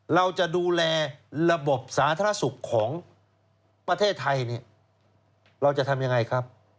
เราจะดูแลระบบสาธารณสุขของประเทศไทยเนี่ยเราจะทำยังไงครับ